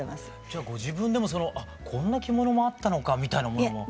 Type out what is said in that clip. じゃご自分でもあっこんな着物もあったのかみたいなものも？